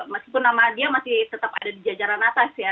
meskipun nama dia masih tetap ada di jajaran atas ya